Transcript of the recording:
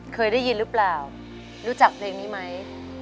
เคยได้ยินหรือเปล่ารู้จักเพลงนี้ไหม